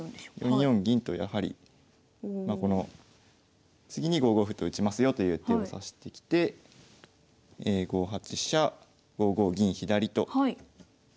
４四銀とやはり次に５五歩と打ちますよという手を指してきて５八飛車５五銀左と。